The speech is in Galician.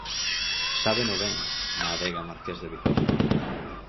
Sábeno ben na adega Marqués de Vizhoja.